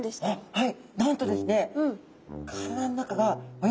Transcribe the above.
はい。